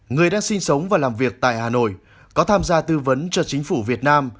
người đang sinh sống và làm việc tại hà nội có tham gia tư vấn cho chính phủ việt nam